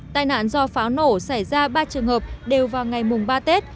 tai nạn do pháo nổ xảy ra ba trường hợp đều vào ngày mùng ba tết